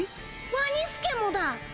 ワニスケもだ